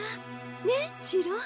ねっシロー？